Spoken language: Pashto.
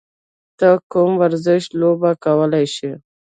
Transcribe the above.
ته کوم ورزش لوبه کولی شې؟